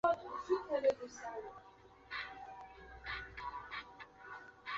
这是叙利亚问题的决议草案第四次在安理会被俄中两国否决。